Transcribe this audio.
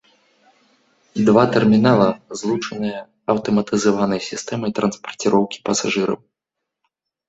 Два тэрмінала злучаныя аўтаматызаванай сістэмай транспарціроўкі пасажыраў.